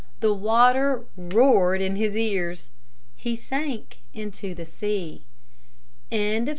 The water roared in his ears. He sank into the sea.